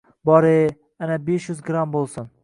Bor-e, ana besh yuz gramm boʻlsin